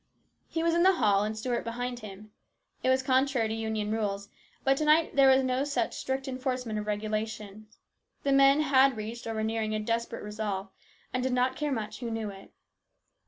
He was in the hall and Stuart behind him. It was contrary to Union rules, but to night there was no such strict enforcement of regulations. The men had reached or were nearing a desperate resolve, and did not care much who knew it.